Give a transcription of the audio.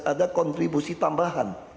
ada kontribusi tambahan